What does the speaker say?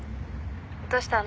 どうしたの？